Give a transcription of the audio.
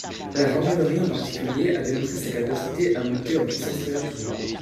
La gendarmerie en particulier a démontré sa capacité à monter en puissance très rapidement.